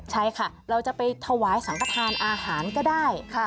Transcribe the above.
ใช่ค่ะเราจะไปถวายสังขทานอาหารก็ได้